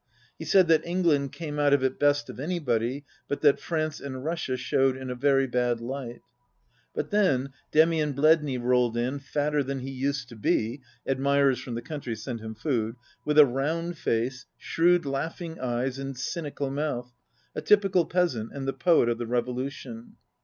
He said that England came out of it best of anybody, but that France and Russia showed in a very bad light. Just then, Demian Biedny rolled in, fatter than he used to be (admirers from the country send him 50 food) with a round face, shrewd laughing eyes, and cynical mouth, a typical peasant, and the poet of the revolution.